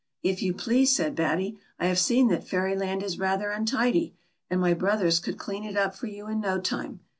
'*" If } ou please," said Ratty, "I liave seen that Fairy land is rather untid\ , and my brothers could clean it up for you in no time.